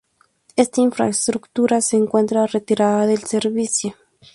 Esta infraestructura se encuentra retirada del servicio.